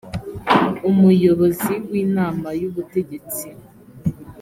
umuyobozi w’inama y’ubutegetsi